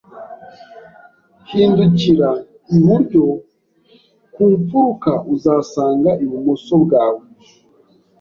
Hindukirira iburyo ku mfuruka, uzasanga ibumoso bwawe.